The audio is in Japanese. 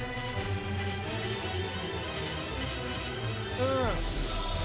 うん。